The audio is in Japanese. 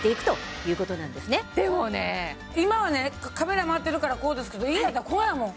今はカメラまわってるからこうですけど家やったらこうやもん。